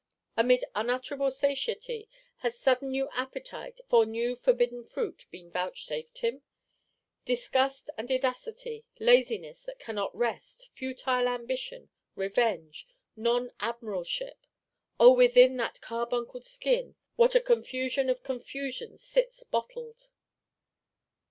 Amid unutterable satiety, has sudden new appetite, for new forbidden fruit, been vouchsafed him? Disgust and edacity; laziness that cannot rest; futile ambition, revenge, non admiralship:—O, within that carbuncled skin what a confusion of confusions sits bottled!